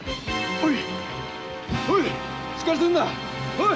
おい！